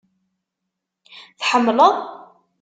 Tḥemmleḍ?